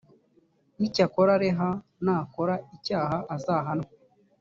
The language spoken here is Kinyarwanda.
icyakora leah nakora icyaha azahanwe